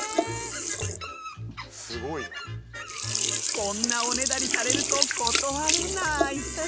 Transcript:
こんなおねだりされると断れない！